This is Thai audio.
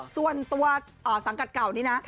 ส่วนตัวสังกัดเก่านี้นะ